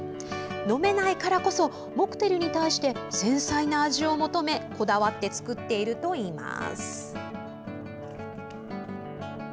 飲めないからこそモクテルに対して繊細な味を求めこだわって作っているといいます。